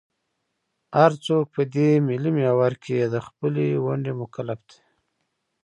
هر څوک په دې ملي محور کې د خپلې ونډې مکلف دی.